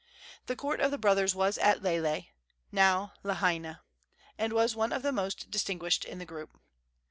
The court of the brothers was at Lele (now Lahaina), and was one of the most distinguished in the group.